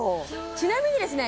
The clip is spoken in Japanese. ちなみにですね